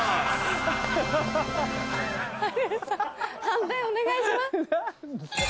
判定お願いします。